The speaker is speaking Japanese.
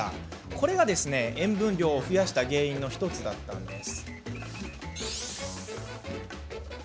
これが塩分量を増やした原因の１つだったんです。